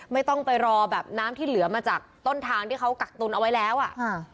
ไม่ต้องไปรอแบบน้ำที่เหลือมาจากต้นทางที่เขากักตุนเอาไว้แล้วอ่ะอ่า